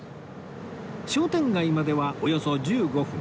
商店街まではおよそ１５分